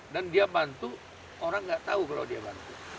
dan dia bantu orang tidak tahu kalau dia bantu